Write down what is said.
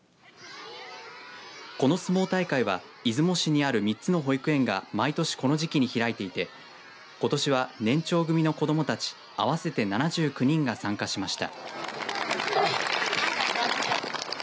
この相撲大会は出雲市にある３つの保育園が毎年この時期に開いていてことしは年長組の子どもたち合わせて７９人が参加しました。